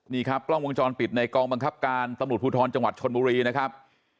นี่ครับกล้องวงจรปิดในกองบังคับการตำรวจภูทรจังหวัดชนบุรีนะครับ